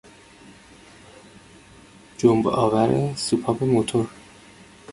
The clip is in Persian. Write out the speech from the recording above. جنب آور سوپاپ موتور